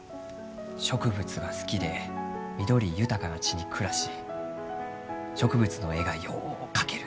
植物が好きで緑豊かな地に暮らし植物の絵がよう描ける。